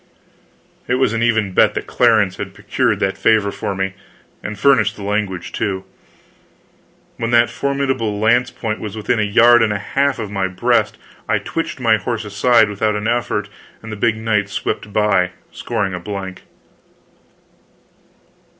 It was an even bet that Clarence had procured that favor for me and furnished the language, too. When that formidable lance point was within a yard and a half of my breast I twitched my horse aside without an effort, and the big knight swept by, scoring a blank.